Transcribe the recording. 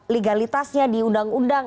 legalitasnya di undang undang